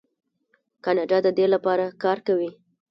کاناډا د دې لپاره کار کوي.